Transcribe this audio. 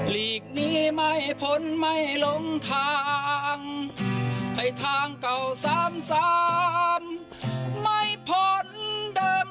ลีงนี้ไม่พลไม่ลงทางให้ทางเก่าสรมสรมไม่พลเดิม